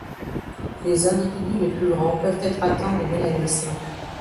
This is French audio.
Les individus les plus grands peuvent être atteints de mélanisme.